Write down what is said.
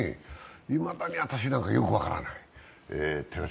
いまだに私、よく分からない。